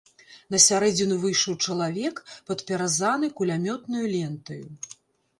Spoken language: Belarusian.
На сярэдзіну выйшаў чалавек, падпяразаны кулямётнаю лентаю.